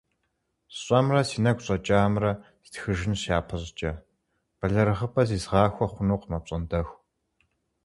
СщӀэмрэ си нэгу щӀэкӀамрэ стхыжынщ япэщӀыкӀэ – бэлэрыгъыпӀэ зизгъахуэ хъунукъым апщӀондэху…